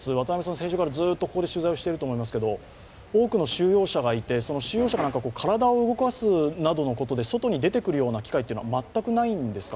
先週からずっと取材していると思いますけど多くの収容者がいてその収容者が体を動かすなんかで外に出てくるような機会は全くないんですか。